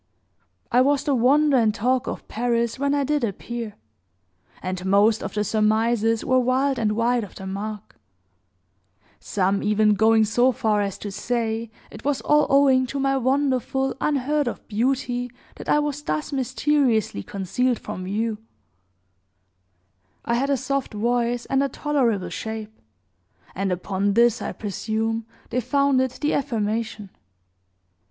"I was the wonder and talk of Paris, when I did appear; and most of the surmises were wild and wide of the mark some even going so far as to say it was all owing to my wonderful unheard of beauty that I was thus mysteriously concealed from view. I had a soft voice, and a tolerable shape; and upon this, I presume, they founded the affirmation.